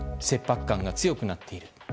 切迫感が強くなっている。